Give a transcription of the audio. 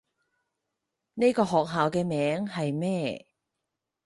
呢個學校嘅名係咩？